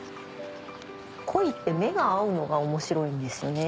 コイって目が合うのが面白いんですよね。